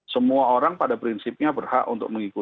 semua orang pada prinsipnya berhak untuk mengikuti